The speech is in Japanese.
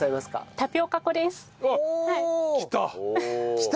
きた！